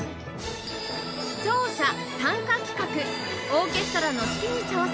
視聴者参加企画オーケストラの指揮に挑戦